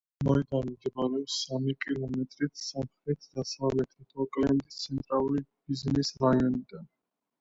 მოედანი მდებარეობს სამი კილომეტრით სამხრეთ-დასავლეთით ოკლენდის ცენტრალური ბიზნეს რაიონიდან.